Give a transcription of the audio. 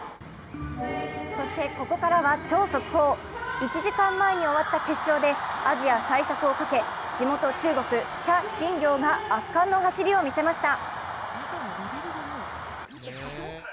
そしてここからは超速報、１時間前に終わった決勝でアジア最速をかけ、地元・中国謝震業が圧巻の走りをみせました。